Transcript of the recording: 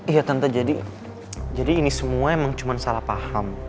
iya tante jadi ini semua emang cuma salah paham